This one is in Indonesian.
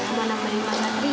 kamu anak anak adria